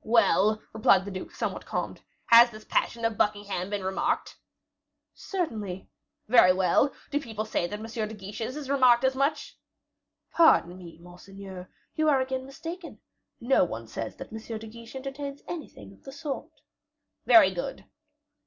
"Well," replied the duke, somewhat calmed, "had this passion of Buckingham been remarked?" "Certainly." "Very well. Do people say that M. de Guiche's is remarked as much?" "Pardon me, monseigneur; you are again mistaken; no one says that M. de Guiche entertains anything of the sort." "Very good."